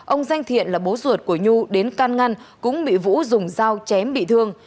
ông danh thiện là bố ruột của nhu đến can ngăn cũng bị vũ dùng dao chém bị thương